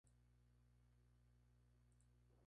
La isla permaneció abandonada por varios años.